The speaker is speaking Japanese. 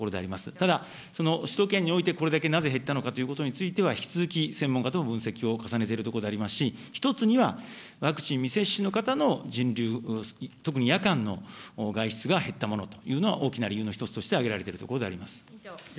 ただ、その首都圏において、これだけなぜ減ったのかということについては、引き続き専門家とも分析を重ねているところでありますし、一つには、ワクチン未接種の方の人流、特に夜間の外出が減ったものというのは、大きな理由の一つとして挙げられているところであります。